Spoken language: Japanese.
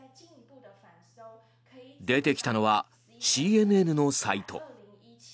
出てきたのはＣＮＮのサイト。